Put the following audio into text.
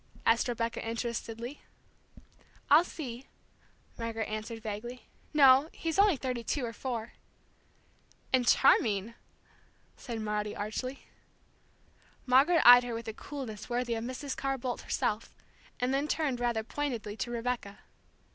asked Rebecca, interestedly. "I'll see," Margaret answered vaguely. "No, he's only thirty two or four." "And charming!" said Maudie archly. Margaret eyed her with a coolness worthy of Mrs. Carr Boldt herself, and then turned rather pointedly to Rebecca.